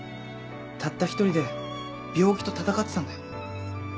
たった１人で病気と闘ってたんだよ。